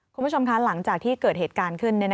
คุณผู้ชมคะหลังจากที่เกิดเหตุการณ์ขึ้น